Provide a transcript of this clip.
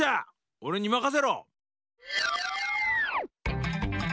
おれにまかせろ！